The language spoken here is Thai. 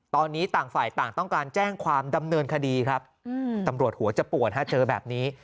ตอนนี้ต่างฝ่ายต่างต้องการแจ้งความดำเนินคดีครับตำรวจหัวจะปวดฮะเจอแบบนี้